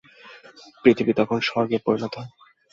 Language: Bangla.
পৃথিবী তখন স্বর্গে পরিণত হয়।